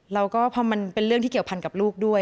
แล้วก็พอมันเป็นเรื่องที่เกี่ยวพันกับลูกด้วย